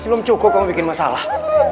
belum cukup kamu bikin masalah